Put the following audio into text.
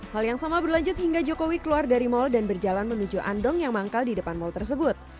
hal yang sama berlanjut hingga jokowi keluar dari mal dan berjalan menuju andong yang manggal di depan mal tersebut